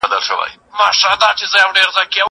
هره ورځ سبزېجات خورم.